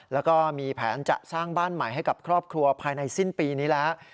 แล้วก็มีแผนจะสร้างบ้านใหม่ให้กับครอบครัวภายในสิ้นปีนี้แล้ว